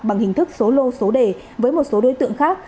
bằng hình thức số lô số đề với một số đối tượng khác